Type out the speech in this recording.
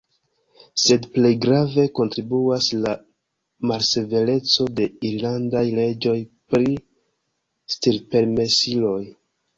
Sed plej grave kontribuas la malsevereco de irlandaj leĝoj pri stirpermesiloj.